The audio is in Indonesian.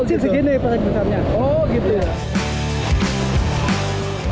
kecil segini paling besarnya